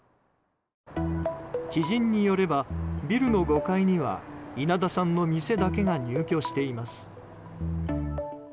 知人によれば、ビルの５階には稲田さんの店だけが入居しています。